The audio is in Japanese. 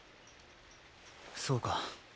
そうか。